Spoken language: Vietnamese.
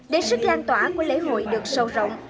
để sức lan tỏa của lễ hội được sâu rộng